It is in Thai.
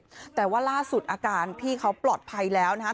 เพราะว่าล่าสุดอาการที่เขาปลอดภัยแล้วนะฮะ